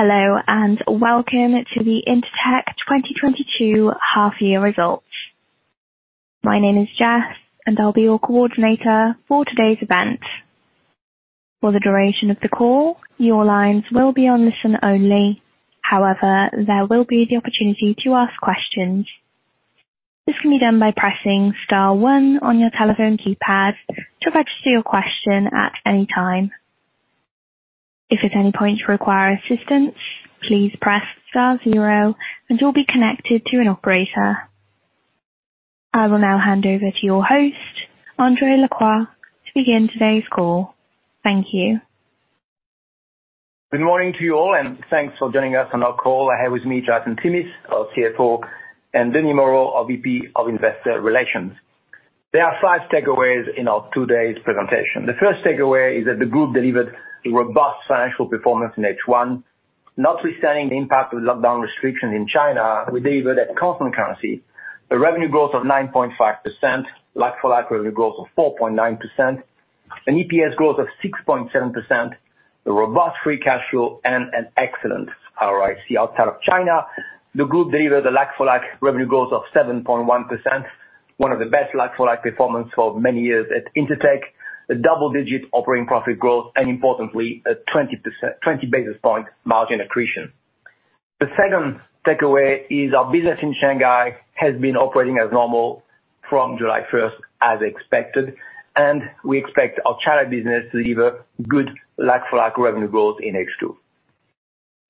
Hello, and welcome to the Intertek 2022 Half Year Results. My name is Jess, and I'll be your coordinator for today's event. For the duration of the call, your lines will be on listen only. However, there will be the opportunity to ask questions. This can be done by pressing star one on your telephone keypad to register your question at any time. If at any point you require assistance, please press star zero and you'll be connected to an operator. I will now hand over to your host, André Lacroix, to begin today's call. Thank you. Good morning to you all, and thanks for joining us on our call. I have with me Jonathan Timmis, our CFO, and Denis Moreau, our VP of Investor Relations. There are 5 takeaways in our today's presentation. The first takeaway is that the group delivered a robust financial performance in H1, notwithstanding the impact of lockdown restrictions in China. We delivered at constant currency a revenue growth of 9.5%, like-for-like revenue growth of 4.9%, an EPS growth of 6.7%, a robust free cash flow and an excellent ROIC. Outside of China, the group delivered a like-for-like revenue growth of 7.1%, one of the best like-for-like performance for many years at Intertek, a double-digit operating profit growth, and importantly, a 20 basis point margin accretion. The second takeaway is our business in Shanghai has been operating as normal from July 1st as expected, and we expect our China business to deliver good like-for-like revenue growth in H2.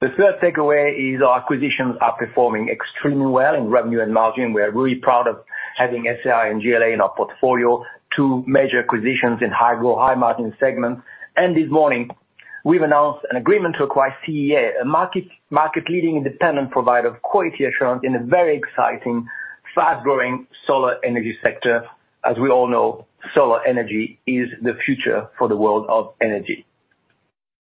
The third takeaway is our acquisitions are performing extremely well in revenue and margin. We are really proud of having SAI and GLA in our portfolio, two major acquisitions in high-growth, high-margin segments. This morning, we've announced an agreement to acquire CEA, a market-leading independent provider of quality assurance in a very exciting, fast-growing solar energy sector. As we all know, solar energy is the future for the world of energy.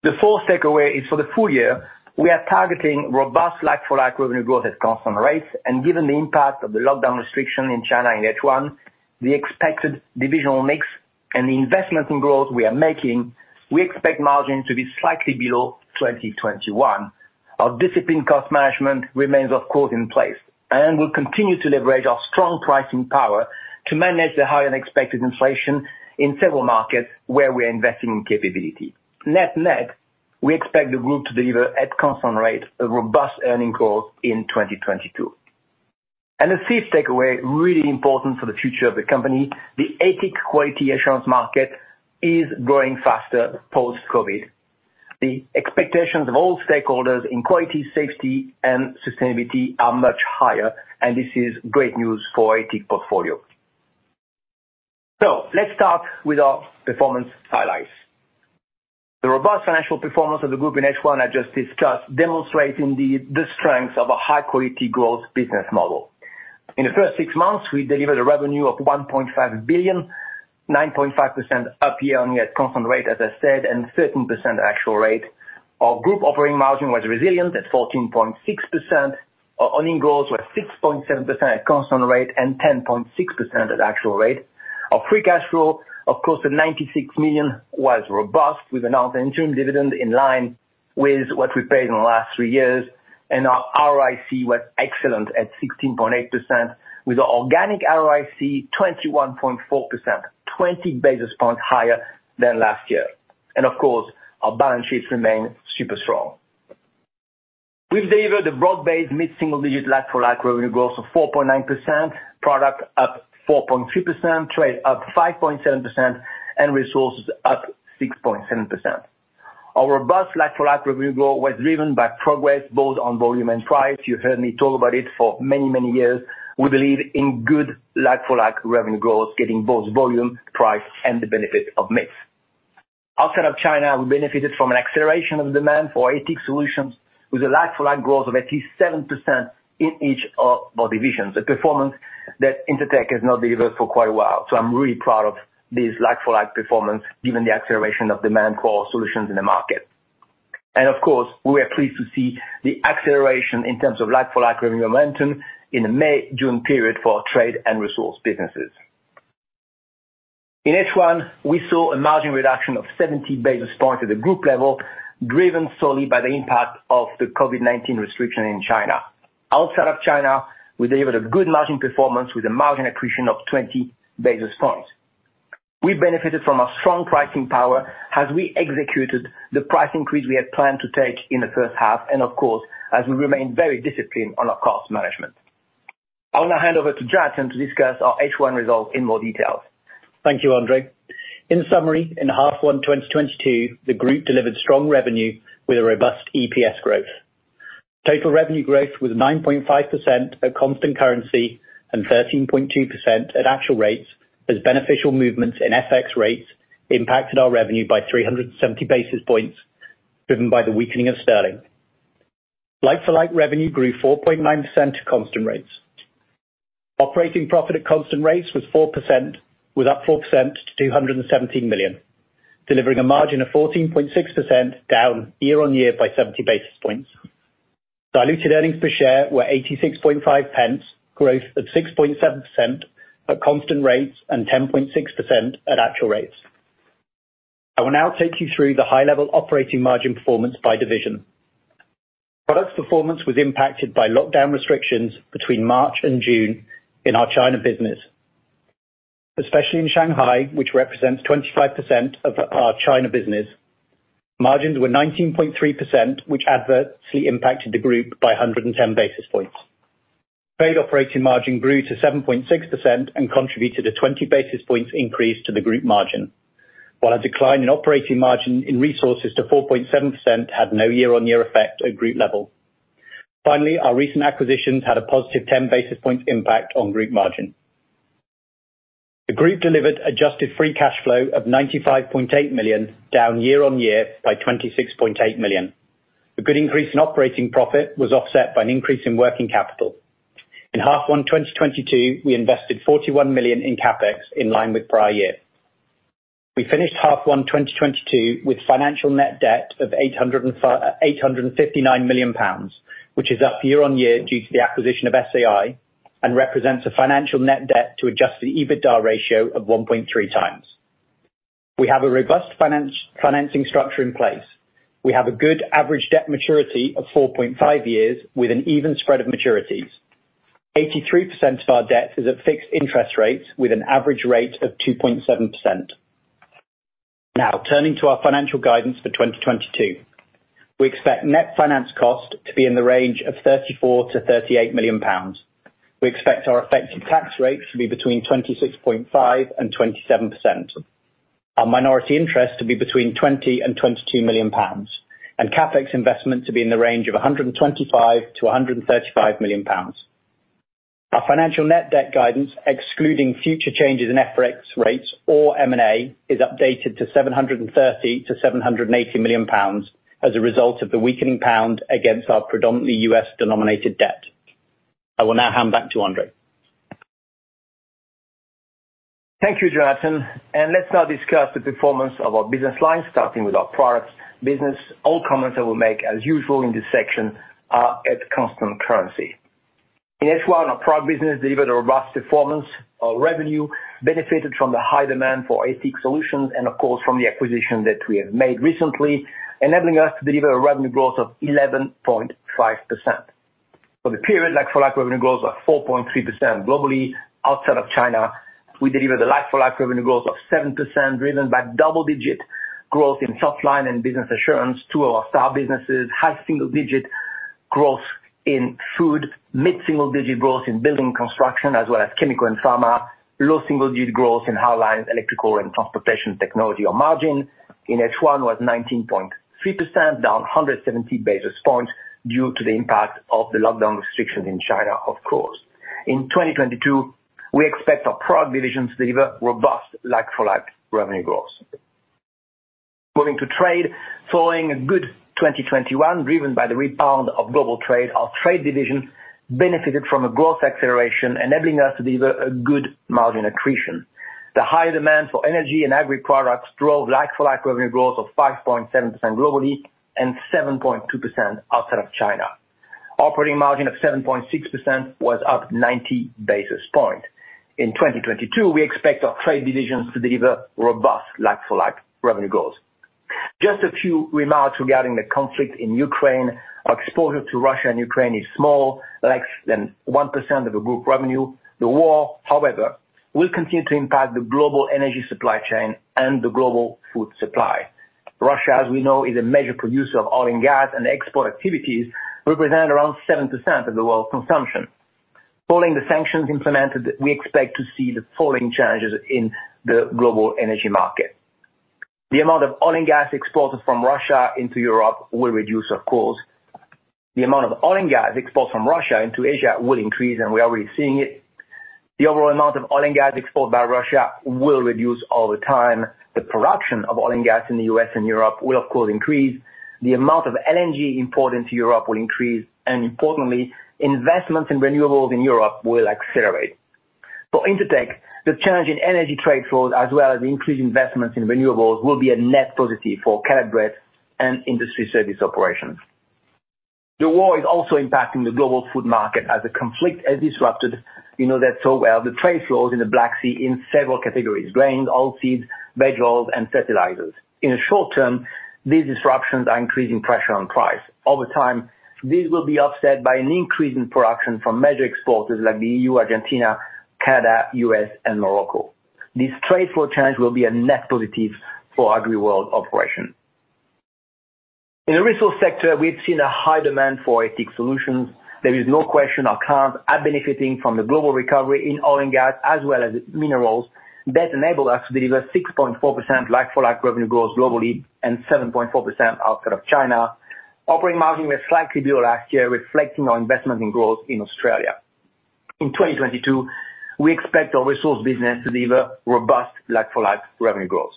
The fourth takeaway is for the full year, we are targeting robust like-for-like revenue growth at constant rates, and given the impact of the lockdown restriction in China in H1, the expected divisional mix and the investment in growth we are making, we expect margins to be slightly below 2021. Our disciplined cost management remains of course in place, and we'll continue to leverage our strong pricing power to manage the high unexpected inflation in several markets where we are investing in capability. Net-net, we expect the group to deliver at constant rate a robust earnings growth in 2022. The fifth takeaway, really important for the future of the company, the TIC quality assurance market is growing faster post-COVID. The expectations of all stakeholders in quality, safety and sustainability are much higher, and this is great news for our TIC portfolio. Let's start with our performance highlights. The robust financial performance of the group in H1 I just discussed demonstrates indeed the strength of a high-quality growth business model. In the first six months, we delivered a revenue of 1.5 billion, 9.5% up year-on-year constant rate, as I said, and 13% actual rate. Our group operating margin was resilient at 14.6%. Our earnings growth was 6.7% at constant rate and 10.6% at actual rate. Our free cash flow, of course, at 96 million was robust. We've announced the interim dividend in line with what we paid in the last three years, and our ROIC was excellent at 16.8%, with organic ROIC 21.4%, 20 basis points higher than last year. Of course, our balance sheets remain super strong. We've delivered a broad-based mid-single digit like-for-like revenue growth of 4.9%, product up 4.3%, trade up 5.7%, and resources up 6.7%. Our robust like-for-like revenue growth was driven by progress, both on volume and price. You've heard me talk about it for many, many years. We believe in good like-for-like revenue growth, getting both volume, price, and the benefit of mix. Outside of China, we benefited from an acceleration of demand for ATIC solutions with a like-for-like growth of at least 7% in each of our divisions. A performance that Intertek has not delivered for quite a while. I'm really proud of this like-for-like performance given the acceleration of demand for our solutions in the market. Of course, we are pleased to see the acceleration in terms of like-for-like revenue momentum in the May-June period for our trade and resource businesses. In H1, we saw a margin reduction of 70 basis points at the group level, driven solely by the impact of the COVID-19 restriction in China. Outside of China, we delivered a good margin performance with a margin accretion of 20 basis points. We benefited from a strong pricing power as we executed the price increase we had planned to take in the first half and of course, as we remain very disciplined on our cost management. I'll now hand over to Jonathan Timmis to discuss our H1 results in more detail. Thank you, André. In summary, in H1 2022, the group delivered strong revenue with a robust EPS growth. Total revenue growth was 9.5% at constant currency and 13.2% at actual rates as beneficial movements in FX rates impacted our revenue by 370 basis points, driven by the weakening of sterling. Like-for-like revenue grew 4.9% at constant rates. Operating profit at constant rates was up 4% to 217 million, delivering a margin of 14.6%, down year-on-year by 70 basis points. Diluted earnings per share were 0.865, growth of 6.7% at constant rates, and 10.6% at actual rates. I will now take you through the high level operating margin performance by division. Products performance was impacted by lockdown restrictions between March and June in our China business, especially in Shanghai, which represents 25% of our China business. Margins were 19.3%, which adversely impacted the group by 110 basis points. Trade operating margin grew to 7.6% and contributed a 20 basis points increase to the group margin. While a decline in operating margin in resources to 4.7% had no year-on-year effect at group level. Finally, our recent acquisitions had a positive 10 basis points impact on group margin. The group delivered adjusted free cash flow of 95.8 million, down year-on-year by 26.8 million. The good increase in operating profit was offset by an increase in working capital. In half one, 2022, we invested 41 million in CapEx in line with prior year. We finished half one, 2022 with financial net debt of 859 million pounds, which is up year-on-year due to the acquisition of SAI and represents a financial net debt to adjusted EBITDA ratio of 1.3x. We have a robust financing structure in place. We have a good average debt maturity of 4.5 years with an even spread of maturities. 83% of our debt is at fixed interest rates with an average rate of 2.7%. Now, turning to our financial guidance for 2022. We expect net finance cost to be in the range of 34 million-38 million pounds. We expect our effective tax rate to be between 26.5%-27%. Our minority interest to be between 20 million-22 million pounds, and CapEx investment to be in the range of 125 million-135 million pounds. Our financial net debt guidance, excluding future changes in FX rates or M&A, is updated to 730 million-780 million pounds as a result of the weakening pound against our predominantly U.S. denominated debt. I will now hand back to André. Thank you, Jonathan. Let's now discuss the performance of our business lines, starting with our products business. All comments I will make, as usual in this section, are at constant currency. In H1, our product business delivered a robust performance. Our revenue benefited from the high demand for ATIC solutions and of course from the acquisition that we have made recently, enabling us to deliver a revenue growth of 11.5%. For the period, like-for-like revenue growth of 4.3% globally. Outside of China, we delivered a like-for-like revenue growth of 7%, driven by double-digit growth in Softlines and Business Assurance, two of our star businesses, high single-digit growth in Food, mid-single-digit growth in Building & Construction as well as Chemical & Pharma. Low single-digit growth in Hardlines, Electrical, and Transportation Technology. Our margin in H1 was 19.3%, down 170 basis points due to the impact of the lockdown restrictions in China, of course. In 2022, we expect our product divisions to deliver robust like-for-like revenue growth. Moving to trade, following a good 2021, driven by the rebound of global trade, our trade division benefited from a growth acceleration enabling us to deliver a good margin accretion. The high demand for energy and agri products drove like-for-like revenue growth of 5.7% globally and 7.2% outside of China. Operating margin of 7.6% was up 90 basis points. In 2022, we expect our trade divisions to deliver robust like-for-like revenue growth. Just a few remarks regarding the conflict in Ukraine. Our exposure to Russia and Ukraine is small, less than 1% of the group revenue. The war, however, will continue to impact the global energy supply chain and the global food supply. Russia, as we know, is a major producer of oil and gas, and export activities represent around 7% of the world's consumption. Following the sanctions implemented, we expect to see the following changes in the global energy market. The amount of oil and gas exported from Russia into Europe will reduce, of course. The amount of oil and gas exported from Russia into Asia will increase, and we are already seeing it. The overall amount of oil and gas exported by Russia will reduce over time. The production of oil and gas in the U.S. and Europe will of course increase. The amount of LNG imported into Europe will increase, and importantly, investments in renewables in Europe will accelerate. For Intertek, the change in energy trade flows as well as increased investments in renewables will be a net positive for Caleb Brett and Industry Services operations. The war is also impacting the global food market as the conflict has disrupted, we know that so well, the trade flows in the Black Sea in several categories, grains, oil seeds, vegetables, and fertilizers. In the short term, these disruptions are increasing pressure on price. Over time, these will be offset by an increase in production from major exporters like the EU, Argentina, Canada, U.S., and Morocco. This trade flow change will be a net positive for AgriWorld operation. In the resource sector, we've seen a high demand for ATIC solutions. There is no question our clients are benefiting from the global recovery in oil and gas as well as minerals that enable us to deliver 6.4% like-for-like revenue growth globally and 7.4% outside of China. Operating margin was slightly below last year, reflecting our investment in growth in Australia. In 2022, we expect our resource business to deliver robust like-for-like revenue growth.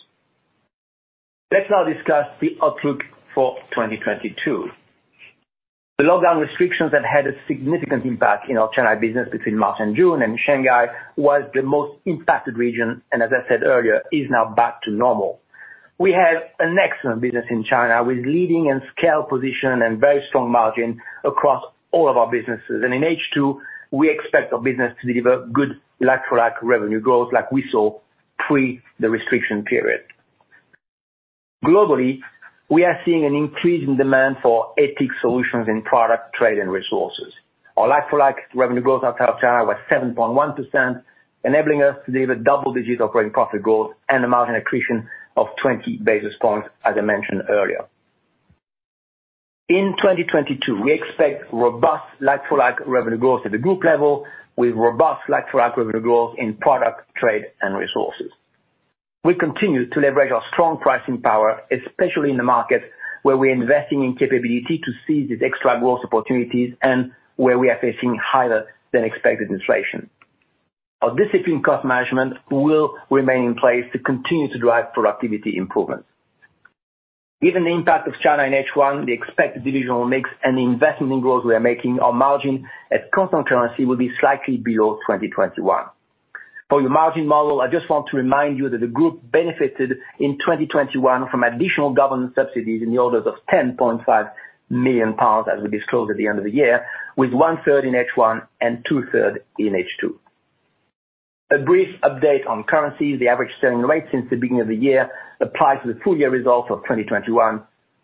Let's now discuss the outlook for 2022. The lockdown restrictions have had a significant impact in our China business between March and June, and Shanghai was the most impacted region, and as I said earlier, is now back to normal. We have an excellent business in China with leading and scale position and very strong margin across all of our businesses. In H2, we expect our business to deliver good like-for-like revenue growth like we saw pre the restriction period. Globally, we are seeing an increase in demand for ethics solutions in product, trade, and resources. Our like-for-like revenue growth outside of China was 7.1%, enabling us to deliver double-digit operating profit growth and a margin accretion of 20 basis points, as I mentioned earlier. In 2022, we expect robust like-for-like revenue growth at the group level with robust like-for-like revenue growth in product, trade, and resources. We continue to leverage our strong pricing power, especially in the markets where we're investing in capability to seize these extra growth opportunities and where we are facing higher than expected inflation. Our disciplined cost management will remain in place to continue to drive productivity improvements. Given the impact of China in H1, the expected divisional mix, and the investment in growth we are making, our margin at constant currency will be slightly below 2021. For your margin model, I just want to remind you that the group benefited in 2021 from additional government subsidies in the orders of 10.5 million pounds, as we disclosed at the end of the year, with 1/3 in H1 and 2/3 in H2. A brief update on currency. The average sterling rate since the beginning of the year applied to the full year results of 2021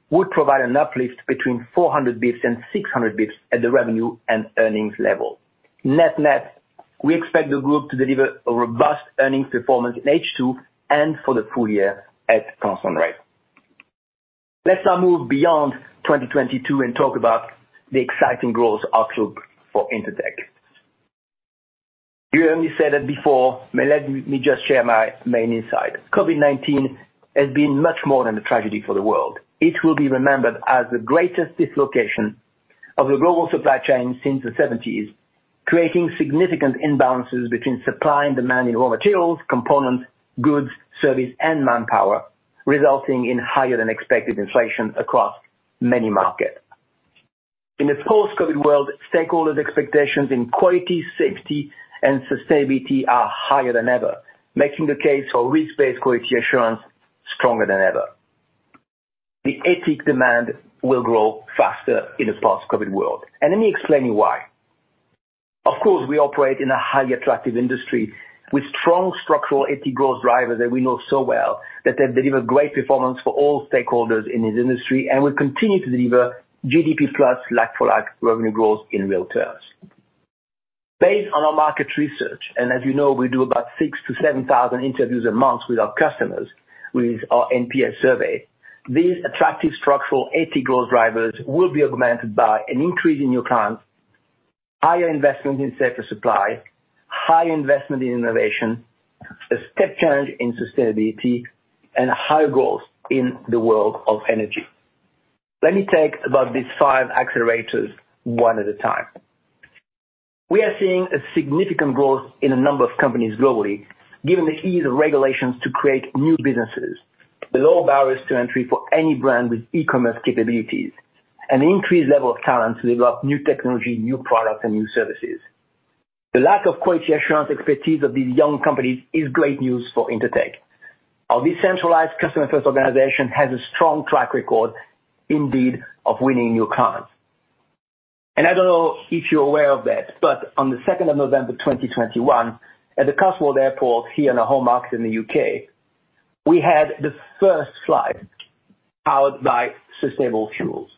would provide an uplift between 400 basis points and 600 basis points at the revenue and earnings level. Net-net, we expect the group to deliver a robust earnings performance in H2 and for the full year at constant rate. Let's now move beyond 2022 and talk about the exciting growth outlook for Intertek. You heard me say that before, but let me just share my main insight. COVID-19 has been much more than a tragedy for the world. It will be remembered as the greatest dislocation of the global supply chain since the seventies, creating significant imbalances between supply and demand in raw materials, components, goods, service, and manpower, resulting in higher than expected inflation across many markets. In the post-COVID world, stakeholder expectations in quality, safety, and sustainability are higher than ever, making the case for risk-based quality assurance stronger than ever. The TIC demand will grow faster in the post-COVID world, and let me explain why. Of course, we operate in a highly attractive industry with strong structural ATIC growth drivers that we know so well, that they deliver great performance for all stakeholders in this industry and will continue to deliver GDP plus like-for-like revenue growth in real terms. Based on our market research, and as you know, we do about 6,000-7,000 interviews a month with our customers with our NPS survey. These attractive structural ATIC growth drivers will be augmented by an increase in new clients, higher investment in safer supply, high investment in innovation, a step change in sustainability, and higher growth in the world of energy. Let me talk about these five accelerators one at a time. We are seeing a significant growth in a number of companies globally, given the ease of regulations to create new businesses, the low barriers to entry for any brand with e-commerce capabilities, an increased level of talent to develop new technology, new products and new services. The lack of quality assurance expertise of these young companies is great news for Intertek. Our decentralized customer-first organization has a strong track record, indeed, of winning new clients. I don't know if you're aware of that, but on the 2nd of November 2021, at the Cotswold Airport here in the home market in the UK, we had the first flight powered by sustainable fuels.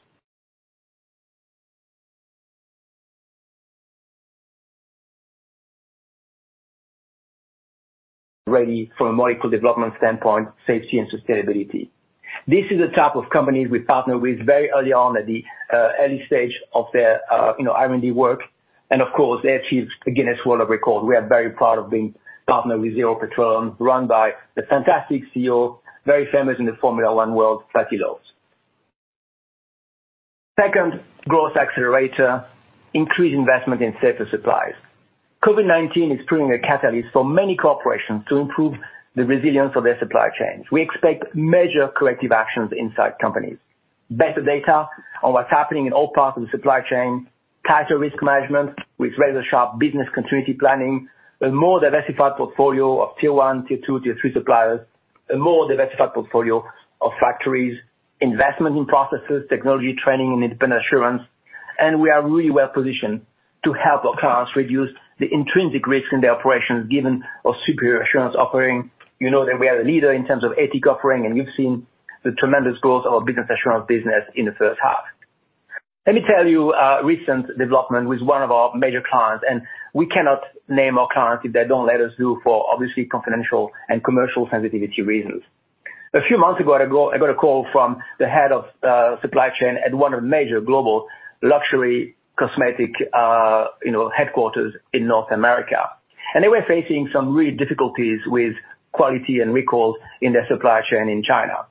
Ready from a molecule development standpoint, safety and sustainability. This is the type of companies we partner with very early on at the early stage of their R&D work, and of course, they achieved a Guinness World Record. We are very proud of being partnered with Zero Petroleum, run by the fantastic CEO, very famous in the Formula One world, Paddy Lowe. Second growth accelerator, increased investment in safer supplies. COVID-19 is proving a catalyst for many corporations to improve the resilience of their supply chains. We expect major corrective actions inside companies. Better data on what's happening in all parts of the supply chain, tighter risk management with razor-sharp business continuity planning, a more diversified portfolio of tier one, tier two, tier three suppliers, a more diversified portfolio of factories, investment in processes, technology training and independent assurance. We are really well-positioned to help our clients reduce the intrinsic risk in their operations given our superior assurance offering. You know that we are a leader in terms of ethics offering, and you've seen the tremendous growth of our Business Assurance business in the first half. Let me tell you a recent development with one of our major clients, and we cannot name our clients if they don't let us do for obviously confidential and commercial sensitivity reasons. A few months ago, I got a call from the head of supply chain at one of the major global luxury cosmetic headquarters in North America. They were facing some real difficulties with quality and recalls in their supply chain in China.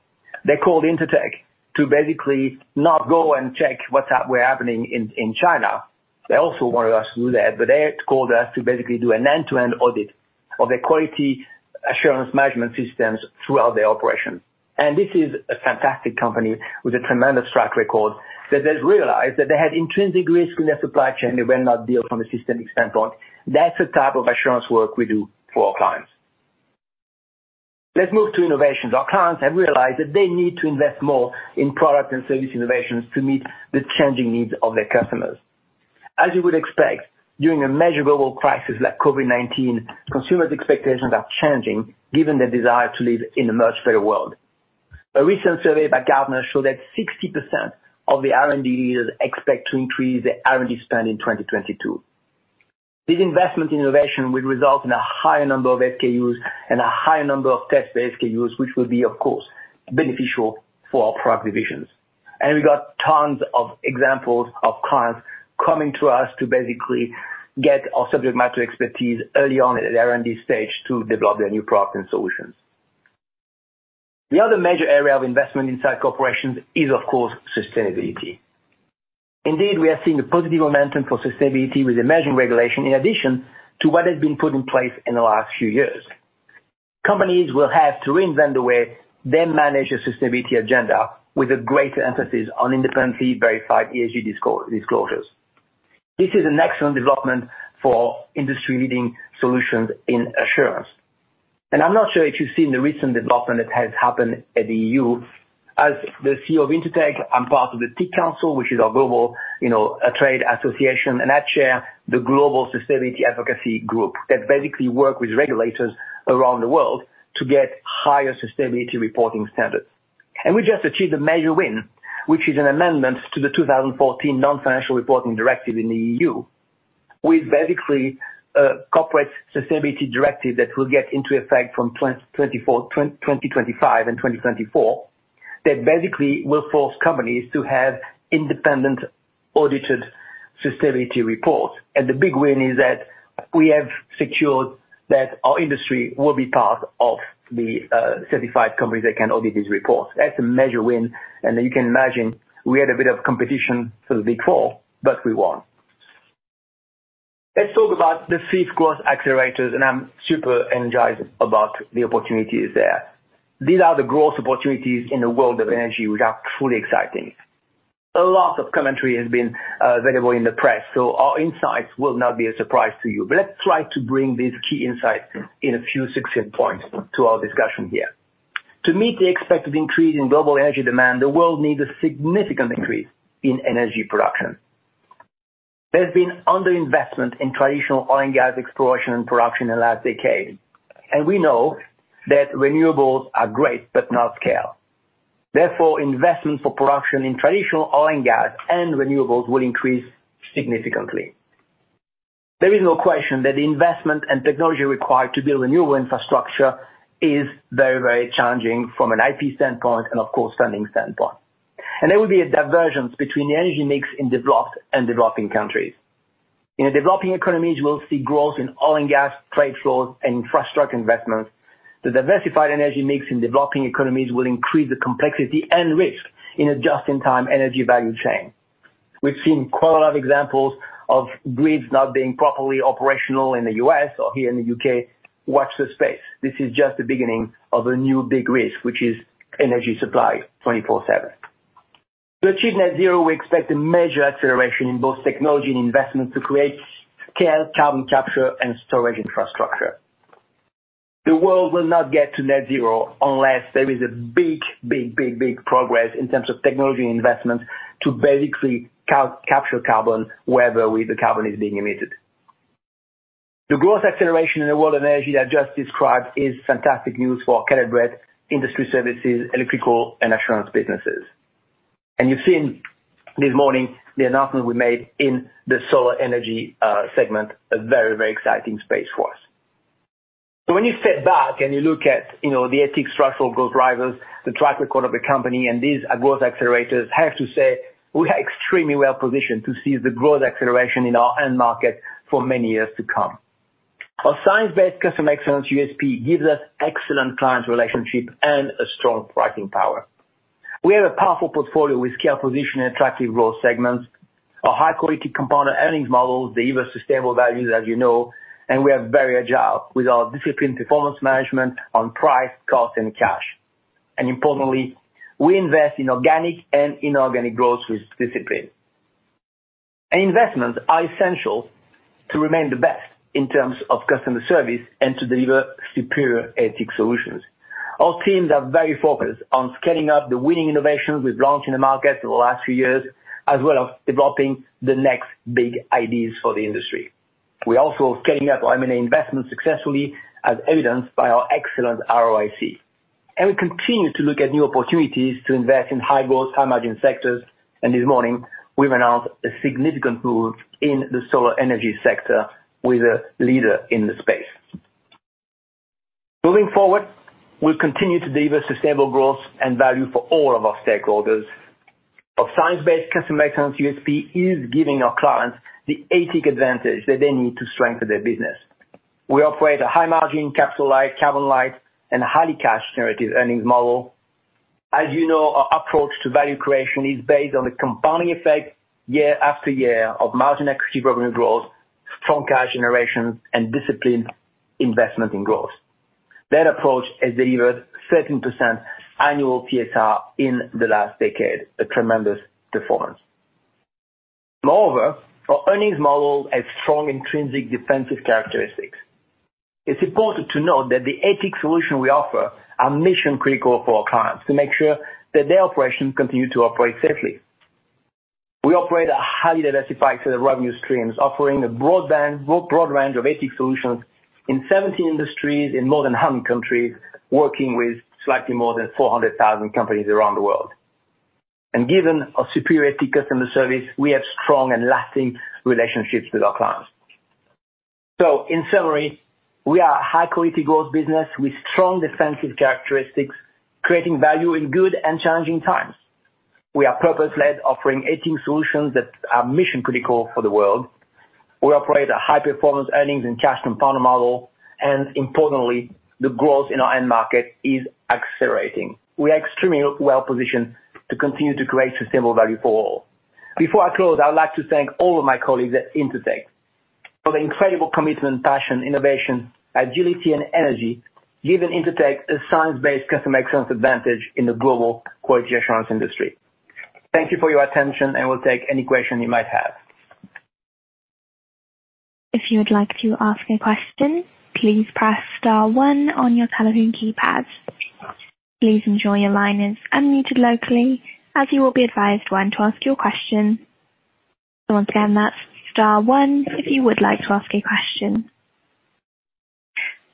They called Intertek to basically not go and check what's happening in China. They also wanted us to do that, but they called us to basically do an end-to-end audit of their quality assurance management systems throughout their operation. This is a fantastic company with a tremendous track record, but they've realized that they had intrinsic risk in their supply chain they were not dealing with from a systemic standpoint. That's the type of assurance work we do for our clients. Let's move to innovations. Our clients have realized that they need to invest more in product and service innovations to meet the changing needs of their customers. As you would expect, during a measurable crisis like COVID-19, consumers' expectations are changing given the desire to live in a much fairer world. A recent survey by Gartner showed that 60% of the R&D leaders expect to increase their R&D spend in 2022. This investment in innovation will result in a higher number of SKUs and a higher number of test-based SKUs, which will be, of course, beneficial for our product divisions. We got tons of examples of clients coming to us to basically get our subject matter expertise early on at their R&D stage to develop their new products and solutions. The other major area of investment inside corporations is, of course, sustainability. Indeed, we are seeing a positive momentum for sustainability with emerging regulation in addition to what has been put in place in the last few years. Companies will have to reinvent the way they manage a sustainability agenda with a greater emphasis on independently verified ESG disclosures. This is an excellent development for industry-leading solutions in assurance. I'm not sure if you've seen the recent development that has happened at the EU. As the CEO of Intertek, I'm part of the TIC Council, which is our global, you know, trade association, and I chair the Global Sustainability Advocacy Group that basically work with regulators around the world to get higher sustainability reporting standards. We just achieved a major win, which is an amendment to the 2014 Non-Financial Reporting Directive in the EU, with basically a Corporate Sustainability Reporting Directive that will get into effect from 2024, 2025 and 2024, that basically will force companies to have independent audited sustainability reports. The big win is that we have secured that our industry will be part of the certified companies that can audit these reports. That's a major win, and you can imagine we had a bit of competition for the big four, but we won. Let's talk about the fifth growth accelerators, and I'm super energized about the opportunities there. These are the growth opportunities in the world of energy, which are truly exciting. A lot of commentary has been available in the press, so our insights will not be a surprise to you. Let's try to bring these key insights in a few succinct points to our discussion here. To meet the expected increase in global energy demand, the world needs a significant increase in energy production. There's been underinvestment in traditional oil and gas exploration and production in the last decade, and we know that renewables are great but not scale. Therefore, investment for production in traditional oil and gas and renewables will increase significantly. There is no question that the investment and technology required to build renewable infrastructure is very, very challenging from an IP standpoint and of course funding standpoint. There will be a divergence between the energy mix in developed and developing countries. In developing economies, we'll see growth in oil and gas trade flows and infrastructure investments. The diversified energy mix in developing economies will increase the complexity and risk in a just-in-time energy value chain. We've seen quite a lot of examples of grids not being properly operational in the U.S. or here in the U.K. Watch this space. This is just the beginning of a new big risk, which is energy supply 24/7. To achieve net zero, we expect a major acceleration in both technology and investment to create scale carbon capture and storage infrastructure. The world will not get to net zero unless there is big progress in terms of technology and investment to basically capture carbon wherever the carbon is being emitted. The growth acceleration in the world of energy I just described is fantastic news for Caleb Brett, Industry Services, Electrical, and Business Assurance. You've seen this morning the announcement we made in the solar energy segment, a very, very exciting space for us. When you step back and you look at, you know, the ATIC structural growth drivers, the track record of the company, and these growth accelerators, I have to say we are extremely well positioned to seize the growth acceleration in our end market for many years to come. Our science-based customer excellence USP gives us excellent client relationship and a strong pricing power. We have a powerful portfolio with scale position in attractive growth segments. Our high-quality component earnings model deliver sustainable value, as you know. We are very agile with our disciplined performance management on price, cost, and cash. Importantly, we invest in organic and inorganic growth with discipline. Investments are essential to remain the best in terms of customer service and to deliver superior ATIC solutions. Our teams are very focused on scaling up the winning innovations we've launched in the market over the last few years, as well as developing the next big ideas for the industry. We're also scaling up our M&A investment successfully as evidenced by our excellent ROIC. We continue to look at new opportunities to invest in high-growth, high-margin sectors. This morning, we've announced a significant move in the solar energy sector with a leader in the space. Moving forward, we'll continue to deliver sustainable growth and value for all of our stakeholders. Our science-based customer excellence USP is giving our clients the ATIC advantage that they need to strengthen their business. We operate a high margin, capital light, carbon light, and a highly cash generative earnings model. As you know, our approach to value creation is based on the compounding effect year after year of margin, equity, profit growth, strong cash generation, and disciplined investment in growth. That approach has delivered 13% annual TSR in the last decade, a tremendous performance. Moreover, our earnings model has strong intrinsic defensive characteristics. It's important to note that the assurance solutions we offer are mission-critical for our clients to make sure that their operations continue to operate safely. We operate a highly diversified set of revenue streams, offering a broad range of ATIC solutions in 70 industries in more than 100 countries, working with slightly more than 400,000 companies around the world. Given our superior customer service, we have strong and lasting relationships with our clients. In summary, we are a high-quality growth business with strong defensive characteristics, creating value in good and challenging times. We are purpose-led, offering ATIC solutions that are mission-critical for the world. We operate a high-performance earnings and cash compound model, and importantly, the growth in our end market is accelerating. We are extremely well-positioned to continue to create sustainable value for all. Before I close, I would like to thank all of my colleagues at Intertek for the incredible commitment, passion, innovation, agility and energy given Intertek a science-based customer excellence advantage in the global quality assurance industry. Thank you for your attention, and we'll take any question you might have. If you would like to ask a question, please press star one on your telephone keypad. Please note your line is unmuted locally as you will be advised when to ask your question. Once again, that's star one if you would like to ask a question.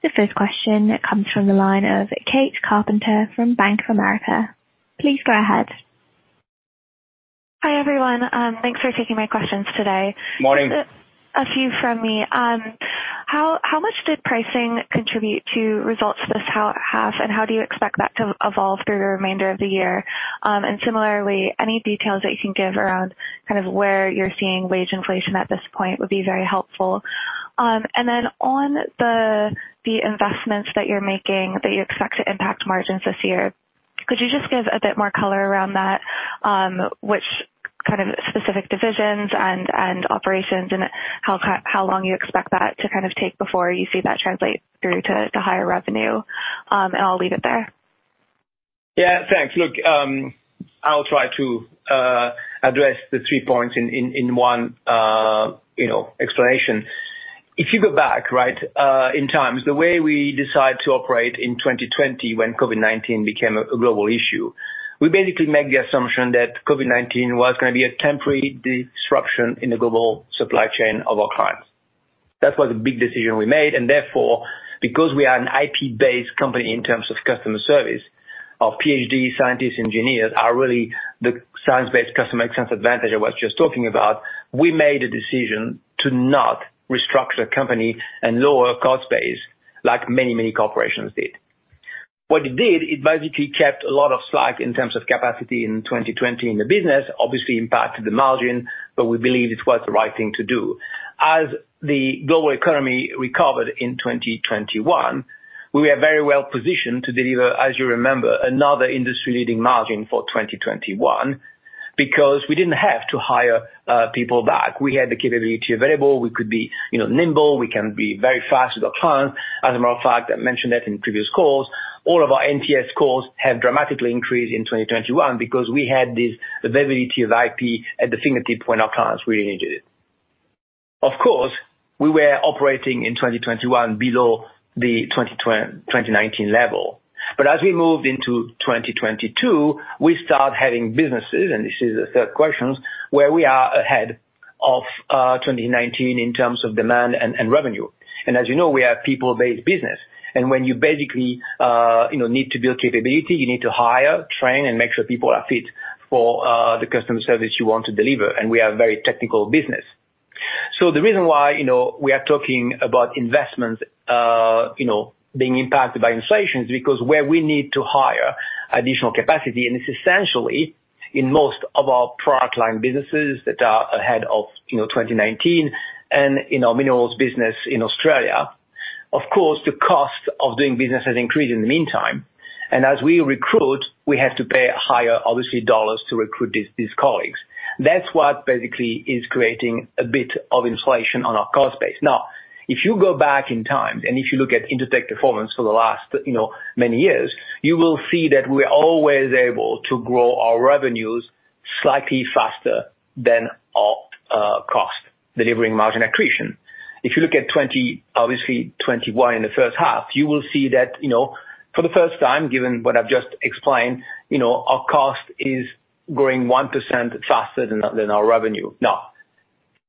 The first question comes from the line of Kate Carpenter from Bank of America. Please go ahead. Hi, everyone. Thanks for taking my questions today. Morning. A few from me. How much did pricing contribute to results this half, and how do you expect that to evolve through the remainder of the year? Similarly, any details that you can give around kind of where you're seeing wage inflation at this point would be very helpful. On the investments that you're making that you expect to impact margins this year, could you just give a bit more color around that? Which kind of specific divisions and operations and how long you expect that to kind of take before you see that translate through to higher revenue? I'll leave it there. Yeah, thanks. Look, I'll try to address the three points in one, you know, explanation. If you go back, right, in times, the way we decide to operate in 2020 when COVID-19 became a global issue, we basically made the assumption that COVID-19 was gonna be a temporary disruption in the global supply chain of our clients. That was a big decision we made, and therefore, because we are an IP-based company in terms of customer service, our PhD scientists, engineers are really the science-based customer excellence advantage I was just talking about. We made a decision to not restructure company and lower cost base like many, many corporations did. What it did, it basically kept a lot of slack in terms of capacity in 2020 in the business, obviously impacted the margin, but we believe it was the right thing to do. As the global economy recovered in 2021, we were very well positioned to deliver, as you remember, another industry-leading margin for 2021 because we didn't have to hire people back. We had the capability available. We could be, you know, nimble. We can be very fast with our clients. As a matter of fact, I mentioned that in previous calls. All of our NPS calls have dramatically increased in 2021 because we had this availability of IP at the fingertip when our clients really needed it. Of course, we were operating in 2021 below the 2019 level. As we moved into 2022, we start having businesses, and this is the third question, where we are ahead of 2019 in terms of demand and revenue. As you know, we are a people-based business. When you basically, you know, need to build capability, you need to hire, train, and make sure people are fit for the customer service you want to deliver. We are a very technical business. The reason why, you know, we are talking about investments, you know, being impacted by inflation is because where we need to hire additional capacity, and it's essentially in most of our product line businesses that are ahead of, you know, 2019 and in our minerals business in Australia. Of course, the cost of doing business has increased in the meantime. As we recruit, we have to pay higher obviously dollars to recruit these colleagues. That's what basically is creating a bit of inflation on our cost base. Now, if you go back in time and if you look at Intertek performance for the last, you know, many years, you will see that we are always able to grow our revenues slightly faster than our cost, delivering margin accretion. If you look at 2021, obviously, in the first half, you will see that, you know, for the first time, given what I've just explained, you know, our cost is growing 1% faster than our revenue. Now,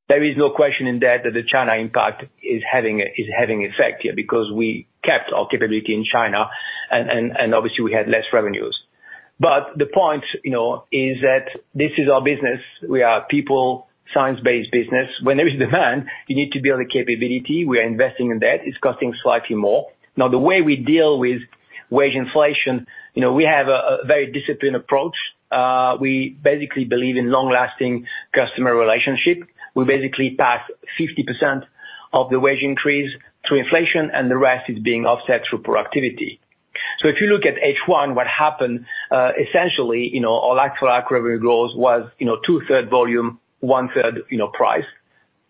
there is no question in that the China impact is having effect here because we kept our capability in China and obviously we had less revenues. The point, you know, is that this is our business. We are people, science-based business. When there is demand, you need to build the capability. We are investing in that. It's costing slightly more. Now, the way we deal with wage inflation, you know, we have a very disciplined approach. We basically believe in long-lasting customer relationship. We basically pass 50% of the wage increase through inflation, and the rest is being offset through productivity. If you look at H1, what happened, essentially, you know, our actual organic growth was, you know, 2/3 volume, 1/3 price.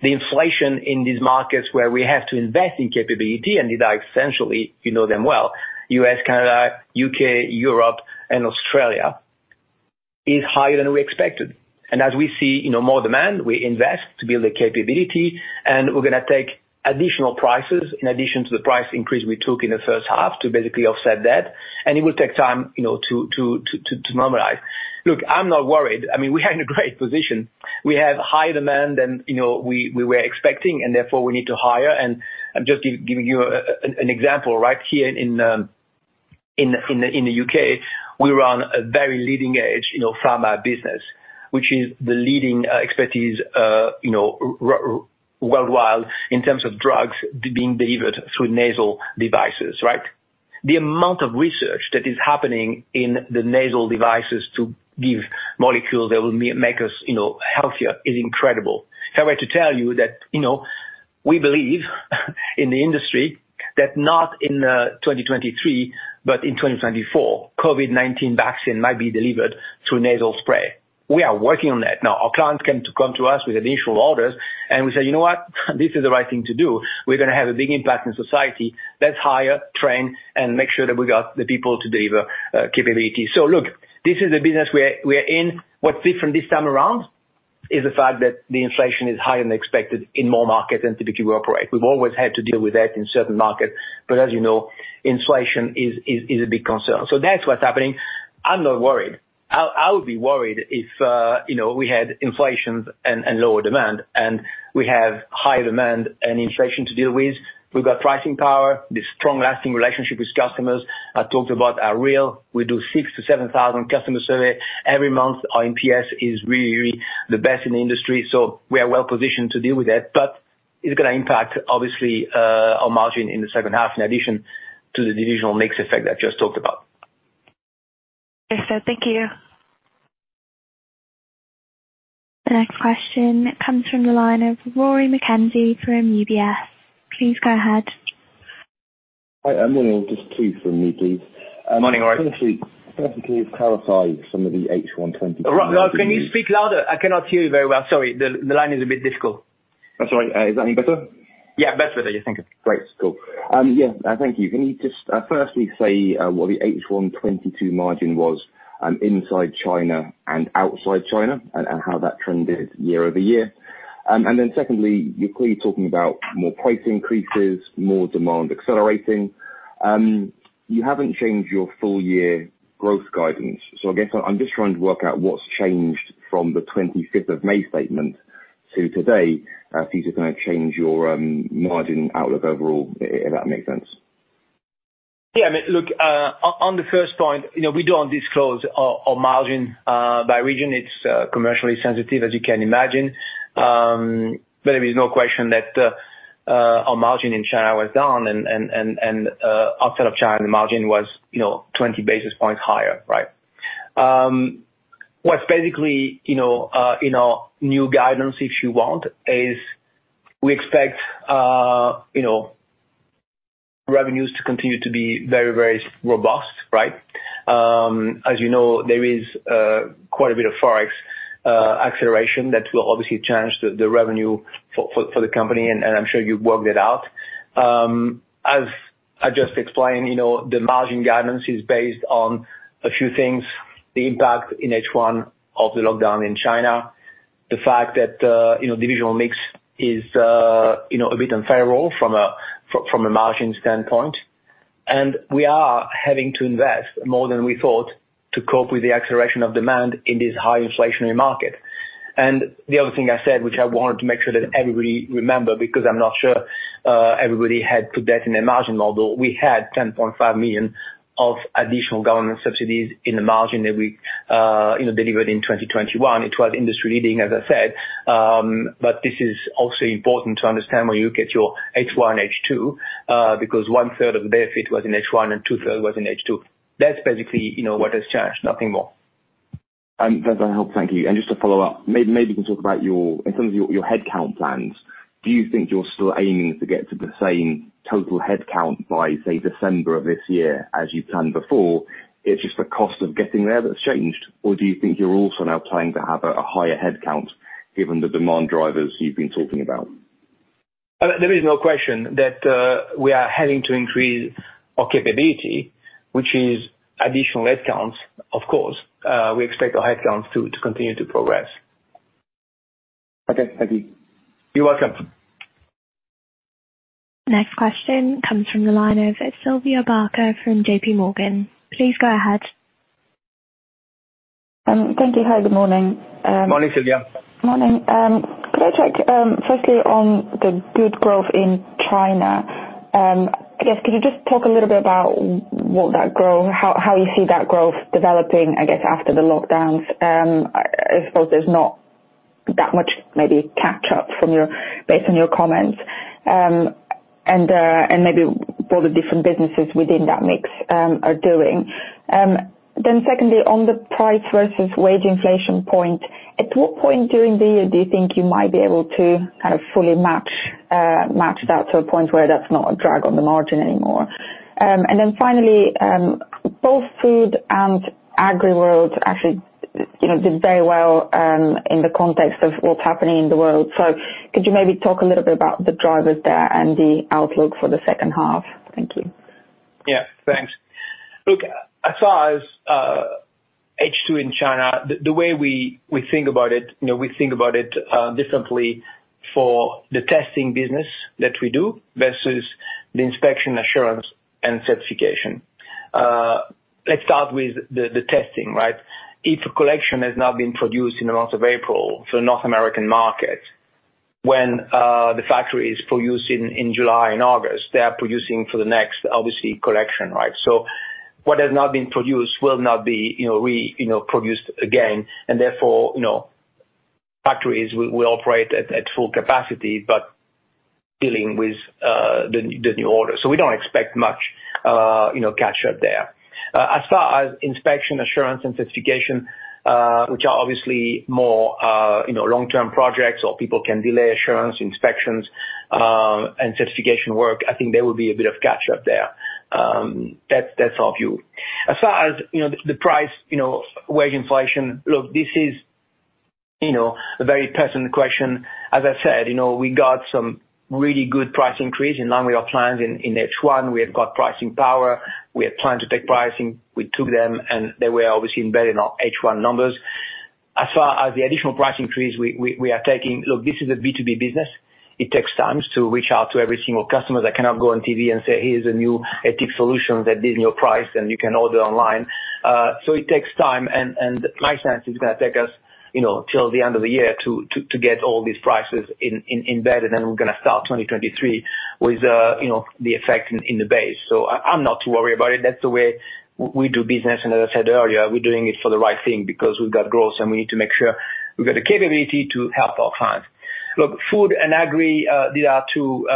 The inflation in these markets where we have to invest in capability, and these are essentially, you know them well, U.S., Canada, U.K., Europe and Australia, is higher than we expected. As we see, you know, more demand, we invest to build the capability and we're gonna take additional prices in addition to the price increase we took in the first half to basically offset that, and it will take time, you know, to normalize. Look, I'm not worried. I mean, we are in a great position. We have higher demand than we were expecting, and therefore we need to hire. I'm just giving you an example right here in the UK, we run a very leading edge pharma business. Which is the leading expertise worldwide in terms of drugs being delivered through nasal devices, right? The amount of research that is happening in the nasal devices to give molecules that will make us healthier is incredible. I'm here to tell you that we believe in the industry that not in 2023, but in 2024, COVID-19 vaccine might be delivered through nasal spray. We are working on that. Now, our clients come to us with initial orders, and we say, "You know what? This is the right thing to do. We're gonna have a big impact in society. Let's hire, train, and make sure that we got the people to deliver capability." Look, this is the business we're in. What's different this time around is the fact that the inflation is higher than expected in more markets than typically we operate. We've always had to deal with that in certain markets, but as you know, inflation is a big concern. That's what's happening. I'm not worried. I would be worried if, you know, we had inflations and lower demand. We have higher demand and inflation to deal with. We've got pricing power. The strong lasting relationship with customers I talked about are real. We do 6,000-7,000 customer surveys every month. Our NPS is really, really the best in the industry, so we are well positioned to deal with that. It's gonna impact obviously our margin in the second half in addition to the divisional mix effect I just talked about. Okay, sir. Thank you. The next question comes from the line of Rory McKenzie from UBS. Please go ahead. Hi, André. Just two from me, please. Morning, Rory. Firstly, can you clarify some of the H1 20- Rory, can you speak louder? I cannot hear you very well, sorry. The line is a bit difficult. That's all right. Is that any better? Yeah, better. Yeah. Thank you. Great. Cool. Thank you. Can you just firstly say what the H1 2022 margin was inside China and outside China, and how that trended year-over-year? Secondly, you're clearly talking about more price increases, more demand accelerating. You haven't changed your full year growth guidance. I guess I'm just trying to work out what's changed from the 25th of May statement to today, since you're gonna change your margin outlook overall, if that makes sense. I mean, on the first point, you know, we don't disclose our margin by region. It's commercially sensitive, as you can imagine. There is no question that our margin in China was down and outside of China, the margin was, you know, 20 basis points higher, right? What's basically, you know, in our new guidance, if you want, is we expect, you know, revenues to continue to be very, very robust, right? As you know, there is quite a bit of Forex acceleration that will obviously change the revenue for the company, and I'm sure you've worked it out. As I just explained, you know, the margin guidance is based on a few things, the impact in H1 of the lockdown in China, the fact that, you know, divisional mix is, you know, a bit unfavorable from a, from a margin standpoint. We are having to invest more than we thought to cope with the acceleration of demand in this high inflationary market. The other thing I said, which I wanted to make sure that everybody remember, because I'm not sure, everybody had put that in their margin model, we had 10.5 million of additional government subsidies in the margin that we, you know, delivered in 2021. It was industry leading, as I said. This is also important to understand when you look at your H1, H2, because 1/3 of the benefit was in H1 and 2/3 was in H2. That's basically, you know, what has changed, nothing more. That's a help. Thank you. Just to follow up, maybe you can talk about your headcount plans. Do you think you're still aiming to get to the same total headcount by, say, December of this year as you planned before? It's just the cost of getting there that's changed, or do you think you're also now planning to have a higher headcount given the demand drivers you've been talking about? There is no question that we are having to increase our capability, which is additional headcounts, of course. We expect our headcounts to continue to progress. Okay. Thank you. You're welcome. Next question comes from the line of Sylvia Barker from JP Morgan. Please go ahead. Thank you. Hi, good morning. Morning, Sylvia. Morning. Could I check firstly on the good growth in China? I guess, could you just talk a little bit about what that growth, how you see that growth developing, I guess, after the lockdowns? I suppose there's not that much maybe catch up from your based on your comments. Maybe for the different businesses within that mix are doing. Secondly, on the price versus wage inflation point, at what point during the year do you think you might be able to kind of fully match? Matched out to a point where that's not a drag on the margin anymore. Finally, both Food and AgriWorld actually, you know, did very well in the context of what's happening in the world. Could you maybe talk a little bit about the drivers there and the outlook for the second half? Thank you. Yeah, thanks. Look, as far as H2 in China, the way we think about it, you know, we think about it differently for the testing business that we do versus the inspection assurance and certification. Let's start with the testing, right? If a collection has now been produced in the month of April for the North American market, when the factory is producing in July and August, they are producing for the next obviously collection, right? So what has not been produced will not be, you know, re-produced again, and therefore, you know, factories will operate at full capacity but dealing with the new order. So we don't expect much, you know, catch up there. As far as inspection assurance and certification, which are obviously more, you know, long-term projects or people can delay assurance, inspections, and certification work, I think there will be a bit of catch up there. That's our view. As far as, you know, the price, you know, wage inflation. Look, this is, you know, a very pertinent question. As I said, you know, we got some really good price increase in line with our plans in H1. We have got pricing power. We have planned to take pricing. We took them, and they were obviously embedded in our H1 numbers. As far as the additional price increase, we are taking. Look, this is a B2B business. It takes time to reach out to every single customer that cannot go on TV and say, "Here's a new ATIC solution that is in your price, and you can order online." So it takes time and my sense, it's gonna take us till the end of the year to get all these prices embedded, and we're gonna start 2023 with the effect in the base. I'm not too worried about it. That's the way we do business. As I said earlier, we're doing it for the right thing because we've got growth, and we need to make sure we've got the capability to help our clients. Look, Food and Agri, these are two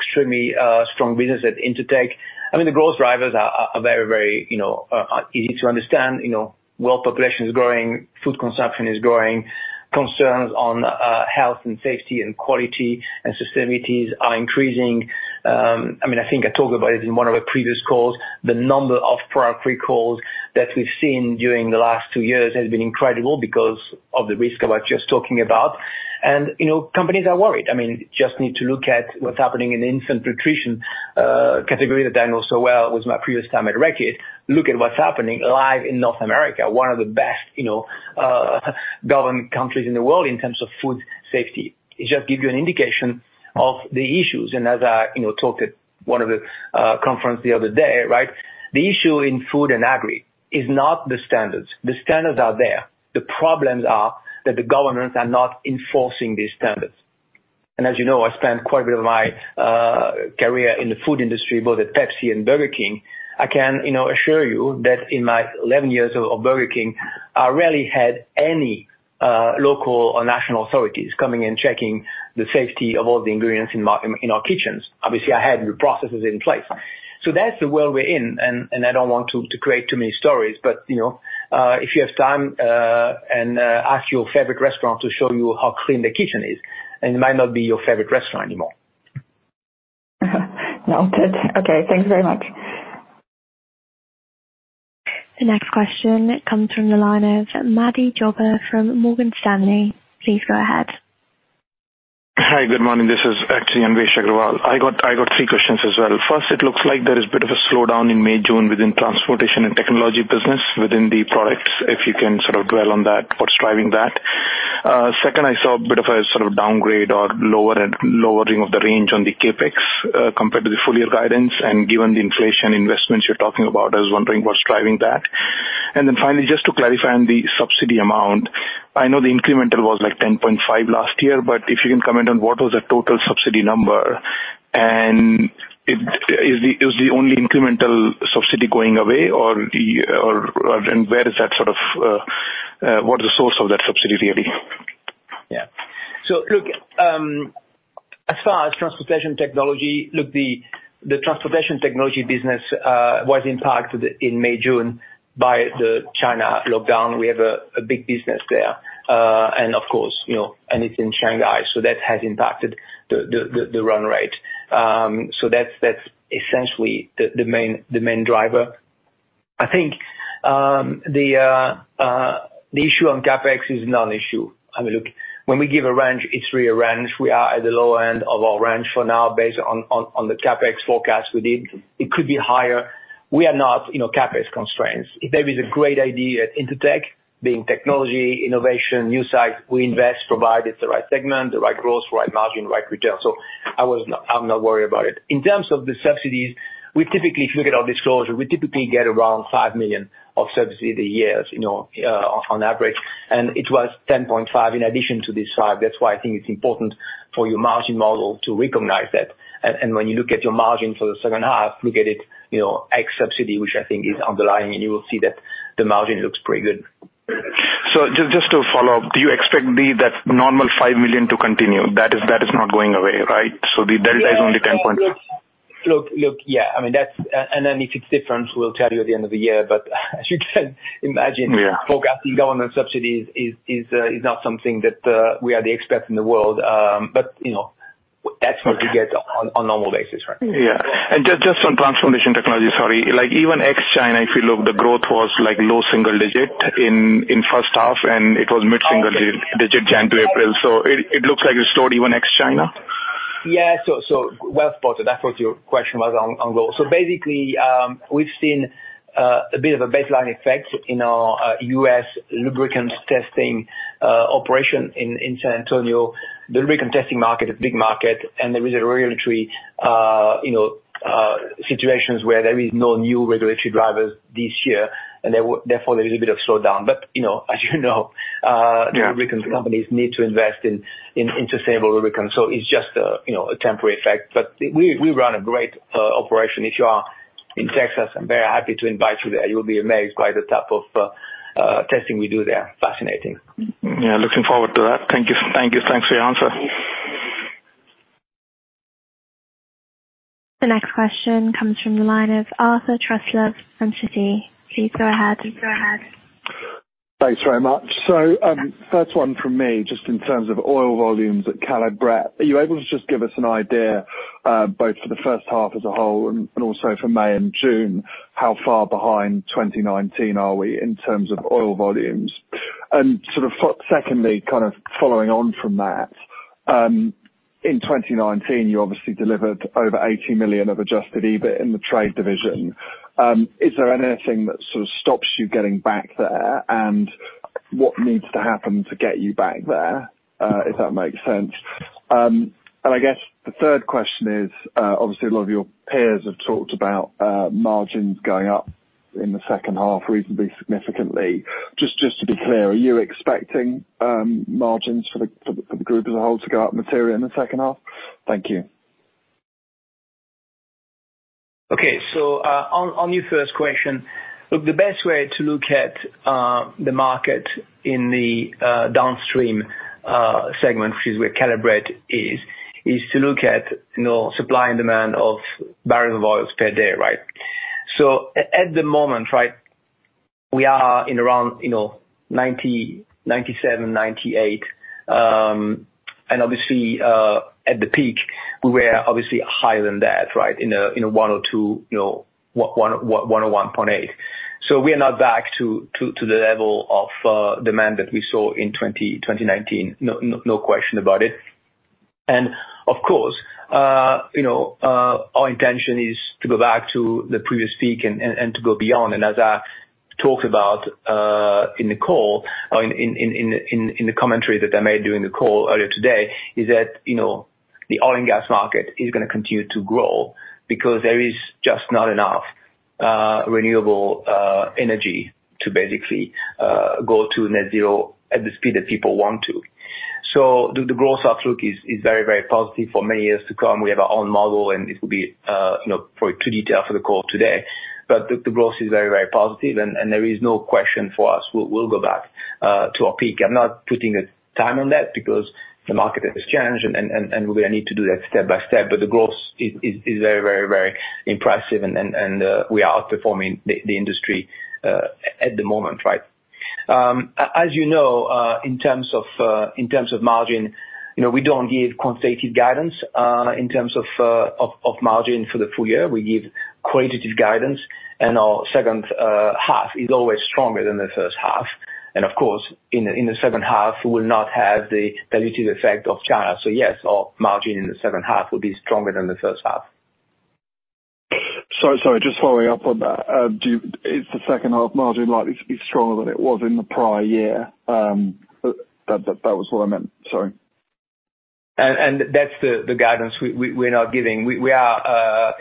extremely strong business at Intertek. I mean, the growth drivers are very, you know, easy to understand, you know. World population is growing, food consumption is growing, concerns on health and safety and quality and sustainability are increasing. I mean, I think I talked about it in one of our previous calls. The number of product recalls that we've seen during the last two years has been incredible because of the risk I was just talking about. You know, companies are worried. I mean, just need to look at what's happening in infant nutrition category that I know so well, was my previous time at Reckitt. Look at what's happening live in North America, one of the best, you know, governed countries in the world in terms of food safety. It just give you an indication of the issues. As I, you know, talked at one of the conference the other day, right? The issue in Food and Agri is not the standards. The standards are there. The problems are that the governments are not enforcing these standards. As you know, I spent quite a bit of my career in the food industry, both at PepsiCo and Burger King. I can, you know, assure you that in my 11 years of Burger King, I rarely had any local or national authorities coming and checking the safety of all the ingredients in our kitchens. Obviously, I had the processes in place. That's the world we're in, and I don't want to create too many stories. You know, if you have time, ask your favorite restaurant to show you how clean the kitchen is, and it might not be your favorite restaurant anymore. Noted. Okay, thank you very much. The next question comes from the line of Anvesh Agrawal from Morgan Stanley. Please go ahead. Hi, good morning. This is actually Anvesh Agrawal. I got three questions as well. First, it looks like there is a bit of a slowdown in May-June within transportation and technology business within the products. If you can sort of dwell on that, what's driving that? Second, I saw a bit of a sort of downgrade or lowering of the range on the CapEx, compared to the full year guidance. Given the inflation investments you're talking about, I was wondering what's driving that. Then finally, just to clarify on the subsidy amount, I know the incremental was like 10.5 last year, but if you can comment on what was the total subsidy number, and it. Is the only incremental subsidy going away or and where is that sort of what is the source of that subsidy really? Yeah. Look, as far as Transportation Technology, look, the Transportation Technology business was impacted in May-June by the China lockdown. We have a big business there. And of course, you know, and it's in Shanghai, so that has impacted the run rate. That's essentially the main driver. I think, the issue on CapEx is non-issue. I mean, look, when we give a range, it's really a range. We are at the lower end of our range for now based on the CapEx forecast we did. It could be higher. We are not, you know, CapEx constrained. If there is a great idea at Intertek, be it technology, innovation, new sites, we invest, provided the right segment, the right growth, right margin, right return. I'm not worried about it. In terms of the subsidies, we typically, if you look at our disclosure, we typically get around 5 million of subsidy a year, you know, on average, and it was 10.5 million in addition to this 5 million. That's why I think it's important for your margin model to recognize that. When you look at your margin for the second half, look at it, you know, ex subsidy, which I think is underlying, and you will see that the margin looks pretty good. Just to follow up, do you expect the, that normal 5 million to continue? That is not going away, right? The delta is only 10 point- Look. Yeah, I mean, that's. If it's different, we'll tell you at the end of the year. As you can imagine. Yeah. Forecasting government subsidies is not something that we are the experts in the world. You know, that's what we get on normal basis, right? Yeah. Just on Transportation Technology, sorry. Like even ex-China, if you look, the growth was like low single-digit% in first half, and it was mid-single-digit% January to April. It looks like it slowed even ex-China. Well spotted. That's what your question was on, ongoing. Basically, we've seen a bit of a baseline effect in our US lubricants testing operation in San Antonio. The lubricant testing market is a big market, and there is a regulatory, you know, situations where there is no new regulatory drivers this year, and therefore there's a little bit of slowdown. You know, Yeah. Lubricant companies need to invest into stable lubricant. It's just a you know a temporary effect. We run a great operation. If you are in Texas, I'm very happy to invite you there. You'll be amazed by the type of testing we do there. Fascinating. Yeah, looking forward to that. Thank you. Thanks for your answer. The next question comes from the line of Arthur Truslove from Citi. Please go ahead. Thanks very much. First one from me, just in terms of oil volumes at Caleb Brett. Are you able to just give us an idea, both for the first half as a whole and also for May and June, how far behind 2019 are we in terms of oil volumes? Secondly, kind of following on from that, in 2019, you obviously delivered over 80 million of adjusted EBIT in the trade division. Is there anything that sort of stops you getting back there? And what needs to happen to get you back there? If that makes sense. I guess the third question is, obviously a lot of your peers have talked about, margins going up in the second half reasonably significantly. Just to be clear, are you expecting margins for the group as a whole to go up material in the second half? Thank you. On your first question, look, the best way to look at the market in the downstream segment, which is where Caleb Brett is to look at, you know, supply and demand of barrels of oil per day, right? At the moment, right, we are in around, you know, 97-98, and obviously at the peak, we were obviously higher than that, right? In 100 or 102, you know, 101 or 101.8. We are not back to the level of demand that we saw in 2019-2020. No question about it. Of course, our intention is to go back to the previous peak and to go beyond. As I talked about in the call. In the commentary that I made during the call earlier today is that, you know, the oil and gas market is gonna continue to grow because there is just not enough renewable energy to basically go to net zero at the speed that people want to. The growth outlook is very, very positive for many years to come. We have our own model, and it will be far too detailed for the call today. The growth is very, very positive and there is no question for us. We'll go back to our peak. I'm not putting a time on that because the market has changed and we're gonna need to do that step by step. The growth is very impressive and we are outperforming the industry at the moment, right? As you know, in terms of margin, you know, we don't give quantitative guidance in terms of margin for the full year. We give qualitative guidance, and our second half is always stronger than the first half. Of course, in the second half, we will not have the dilutive effect of China. Yes, our margin in the second half will be stronger than the first half. Just following up on that, is the second half margin likely to be stronger than it was in the prior year? That was what I meant, sorry. That's the guidance we're not giving. We are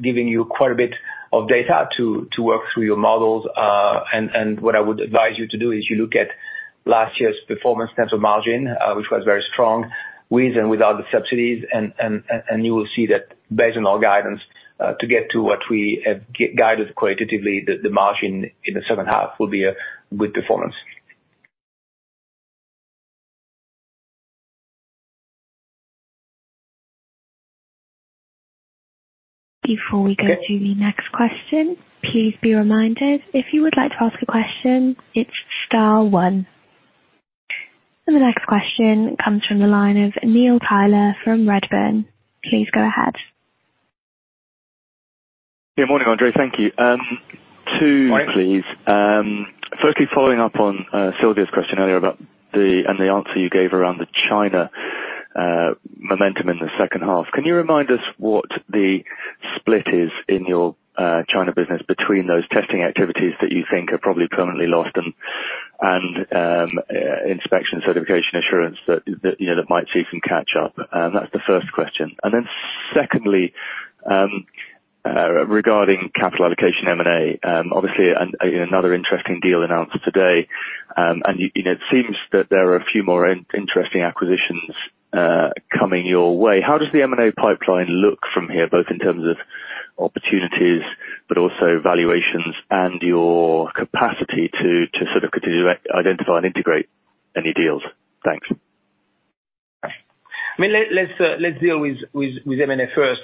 giving you quite a bit of data to work through your models. What I would advise you to do is you look at last year's performance in terms of margin, which was very strong, with and without the subsidies, and you will see that based on our guidance, to get to what we have guided qualitatively, the margin in the second half will be a good performance. Before we go to the next question, please be reminded, if you would like to ask a question, it's star one. The next question comes from the line of Neil Tyler from Redburn. Please go ahead. Good morning, André. Thank you. Two please. Morning. Firstly, following up on Silvia's question earlier about the answer you gave around the China momentum in the second half. Can you remind us what the split is in your China business between those testing activities that you think are probably permanently lost and inspection certification assurance that you know that might see some catch up? That's the first question. Then secondly, regarding capital allocation M&A, obviously another interesting deal announced today, and you know it seems that there are a few more interesting acquisitions coming your way. How does the M&A pipeline look from here, both in terms of opportunities but also valuations and your capacity to sort of continue to identify and integrate any deals? Thanks. I mean, let's deal with M&A first.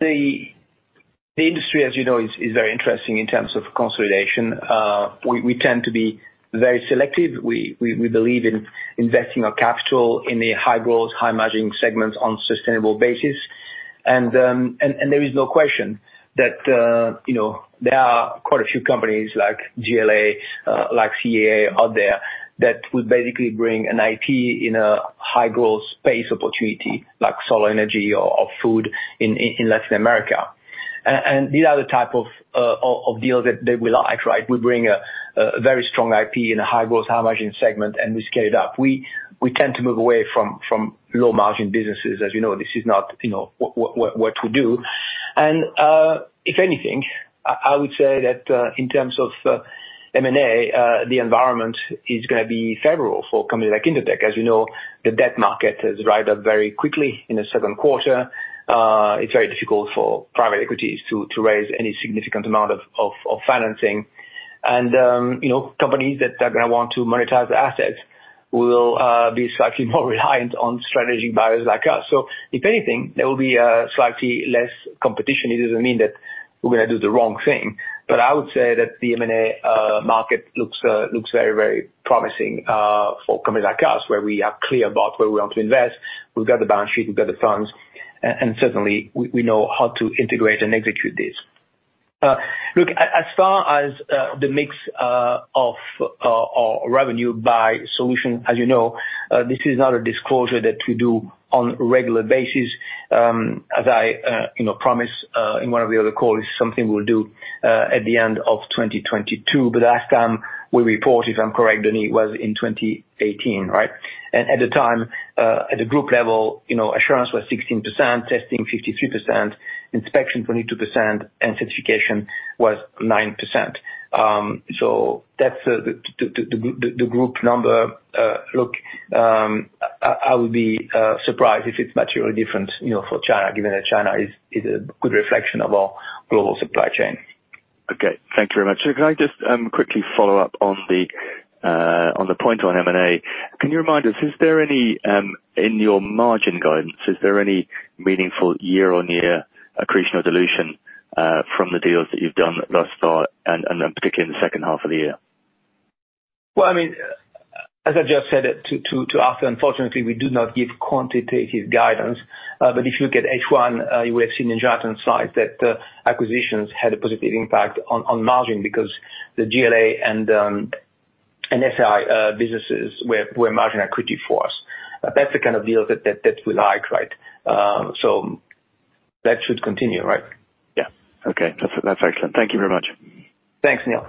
The industry, as you know, is very interesting in terms of consolidation. We tend to be very selective. We believe in investing our capital in the high-growth, high-margin segments on sustainable basis. There is no question that, you know, there are quite a few companies like GLA, like CEA out there that would basically bring an IP in a high-growth space opportunity like solar energy or food in Latin America. These are the type of deals that we like, right? We bring a very strong IP in a high-growth, high-margin segment, and we scale it up. We tend to move away from low-margin businesses. As you know, this is not, you know, what we do. If anything, I would say that in terms of M&A, the environment is gonna be favorable for a company like Intertek. As you know, the debt market has risen up very quickly in the second quarter. It's very difficult for private equities to raise any significant amount of financing. You know, companies that are gonna want to monetize their assets will be slightly more reliant on strategic buyers like us. If anything, there will be slightly less competition. It doesn't mean that we're gonna do the wrong thing. I would say that the M&A market looks very, very promising for companies like us, where we are clear about where we want to invest. We've got the balance sheet, we've got the funds, and certainly, we know how to integrate and execute this. Look, as far as the mix of our revenue by solution, as you know, this is not a disclosure that we do on regular basis. As I, you know, promised in one of the other calls, it's something we'll do at the end of 2022. Last time we reported, if I'm correct, Denis, was in 2018, right? At the time, at the group level, you know, assurance was 16%, testing 53%, inspection 22%, and certification was 9%. So that's the group number. Look, I would be surprised if it's materially different, you know, for China, given that China is a good reflection of our global supply chain. Okay. Thank you very much. Can I just quickly follow up on the point on M&A? Can you remind us, in your margin guidance, is there any meaningful year-on-year accretion or dilution from the deals that you've done thus far and particularly in the second half of the year? Well, I mean, as I just said to Arthur, unfortunately, we do not give quantitative guidance. If you look at H1, you would have seen in Jonathan's slides that acquisitions had a positive impact on margin because the GLA and SAI businesses were margin accretive for us. That's the kind of deals that we like, right? That should continue, right? Yeah. Okay. That's excellent. Thank you very much. Thanks, Neil.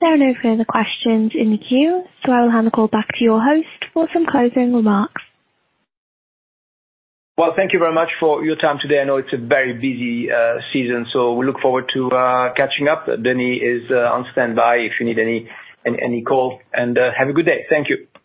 There are no further questions in the queue, so I will hand the call back to your host for some closing remarks. Well, thank you very much for your time today. I know it's a very busy season, so we look forward to catching up. Denis is on standby if you need any call. Have a good day. Thank you.